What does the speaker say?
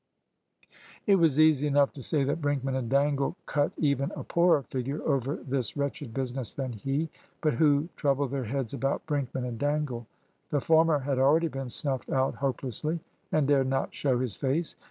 It was easy enough to say that Brinkman and Dangle cut even a poorer figure over this wretched business than he. But who troubled their heads about Brinkman and Dangle? The former had already been snuffed out hopelessly, and dared not show his face.